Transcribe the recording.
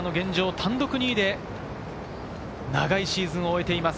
単独２位で長いシーズンを終えています。